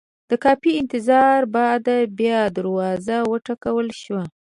د کافي انتظاره بعد بیا دروازه وټکول شوه.